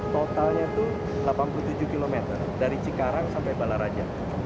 totalnya itu delapan puluh tujuh km dari cikarang sampai balaraja